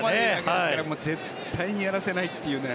もう絶対にやらせないというね。